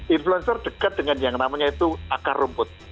influencer dekat dengan yang namanya itu akar rumput